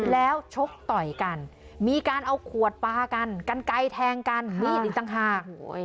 แล้วชกต่อยกันมีการเอาขวดปลากันกันไกลแทงกันมีดอีกต่างหาก